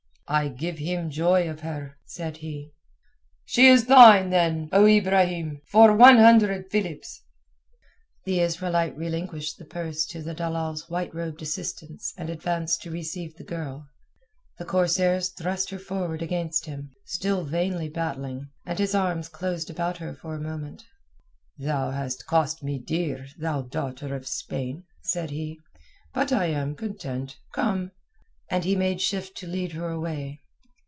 "I give him joy of her," said he. "She is thine, then, O Ibrahim, for one hundred philips." The Israelite relinquished the purse to the dalal's white robed assistants and advanced to receive the girl. The corsairs thrust her forward against him, still vainly battling, and his arms closed about her for a moment. "Thou has cost me dear, thou daughter of Spain," said he. "But I am content. Come." And he made shift to lead her away.